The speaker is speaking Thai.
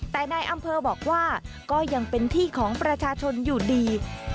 แต่นายอำเภอบอกว่าก็ยังเป็นที่ของประชาชนอยู่ดี